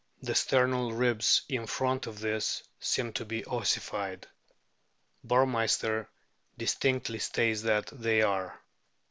The sternal ribs in front of this seem to be ossified. Burmeister distinctly states that they are.